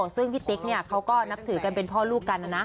ซึ่งพี่ติ๊กเขาก็นับถือกันเป็นพ่อลูกกันนะนะ